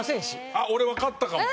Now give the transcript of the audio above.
あっ俺わかったかも。